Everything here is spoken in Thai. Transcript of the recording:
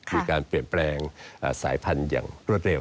มีการเปลี่ยนแปลงสายพันธุ์อย่างรวดเร็ว